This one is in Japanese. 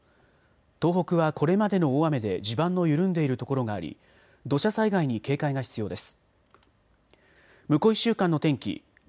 東北はこれまでの大雨で地盤の緩んでいるところがあり土砂災害に警戒が必要です。